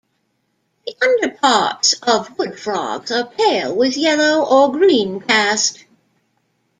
The underparts of wood frogs are pale with a yellow or green cast.